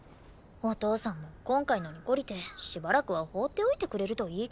お父さんも今回のに懲りてしばらくは放っておいてくれるといいけど。